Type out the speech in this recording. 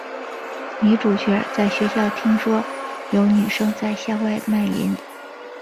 女主角在学校听说有女生在校外卖淫。